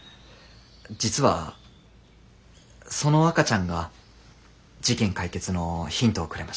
実はその赤ちゃんが事件解決のヒントをくれまして。